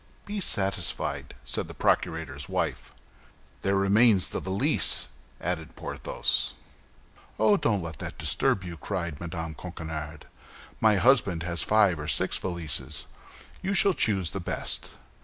"Be satisfied," said the procurator's wife. "There remains the valise," added Porthos. "Oh, don't let that disturb you," cried Mme. Coquenard. "My husband has five or six valises; you shall choose the best.